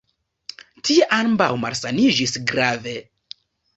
Tie ambaŭ malsaniĝis grave.